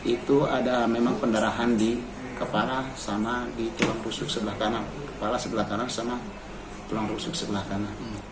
itu ada memang pendarahan di kepala dan tulang rusuk sebelah kanan